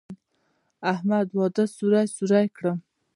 د احمد واده سوري سوري کړم.